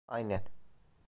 Aynen.